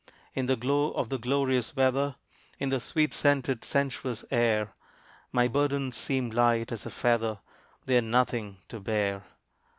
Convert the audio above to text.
In the glow of the glorious weather, In the sweet scented sensuous air, My burdens seem light as a feather They are nothing to bear.